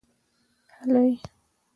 هلئ!